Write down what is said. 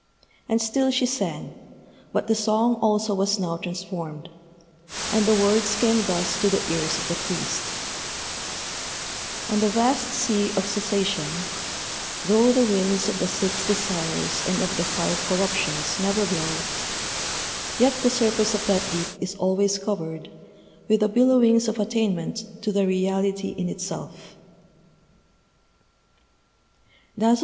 And still she sang but the song also was now transformed; and the words came thus to the ears of the priest: _On the Vast Sea of Cessation, Though the Winds of the Six Desires and of the Five Corruptions never blow, Yet the surface of that deep is always covered With the billowings of Attainment to the Reality in Itself.